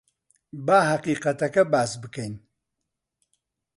با ھەقیقەتەکە باس بکەین.